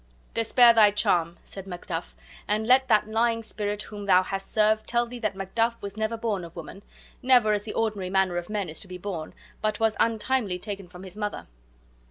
"Despair thy charm," said Macduff, "and let that lying spirit whom thou hast served tell thee that Macduff was never born of woman, never as the ordinary manner of men is to be born, but was untimely taken from his mother."